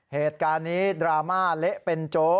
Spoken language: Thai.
เหตุการณ์นี้ดราม่าเละเป็นโจ๊